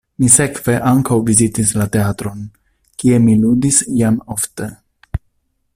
Mi sekve ankaŭ vizitis la teatron, kie mi ludis jam ofte.